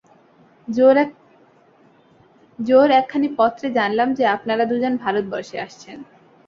জো-র একখানি পত্রে জানলাম যে, আপনারা দুজন ভারতবর্ষে আসছেন।